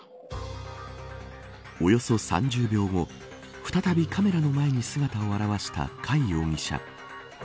およそ３０秒後再び、カメラの前に姿を現した貝容疑者。